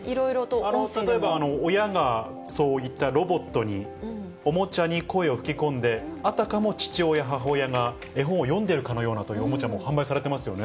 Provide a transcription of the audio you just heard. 例えば親がそういったロボットに、おもちゃに声を吹き込んで、あたかも父親、母親が絵本を読んでいるかのようなというおもちゃも販売されてますよね。